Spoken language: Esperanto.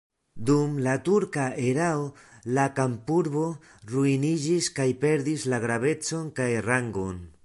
Dum la turka erao la kampurbo ruiniĝis kaj perdis la gravecon kaj rangon.